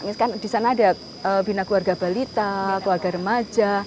misalnya kan di sana ada binaguarga balita keluarga remaja